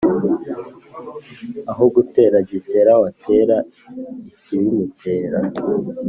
Aho gutera Gitera watera ikibimutera.